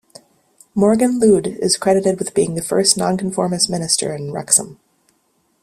Morgan Llwyd is credited with being the first Nonconformist minister in Wrexham.